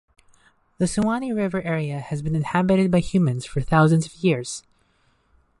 The Suwannee River area has been inhabited by humans for thousands of years.